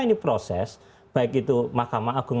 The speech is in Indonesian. ini proses baik itu mahkamah agung